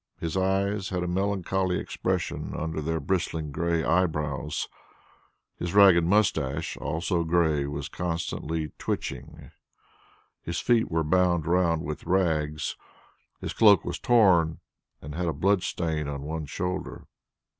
His eyes had a melancholy expression under their bristling grey eyebrows; his ragged moustache, also grey, was constantly twitching; his feet were bound round with rags, his cloak was torn and had a blood stain on one shoulder.